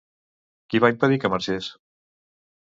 Qui va impedir que marxés?